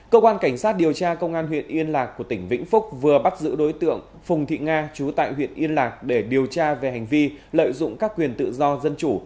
cơ quan cảnh sát điều tra công an huyện yên lạc của tỉnh vĩnh phúc vừa bắt giữ đối tượng phùng thị nga chú tại huyện yên lạc để điều tra về hành vi lợi dụng các quyền tự do dân chủ